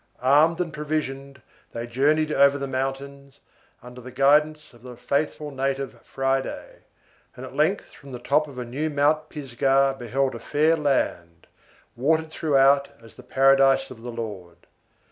Armed and provisioned, they journeyed over the mountains, under the guidance of the faithful native Friday, and at length from the top of a new Mount Pisgah beheld a fair land, watered throughout as the Paradise of the Lord.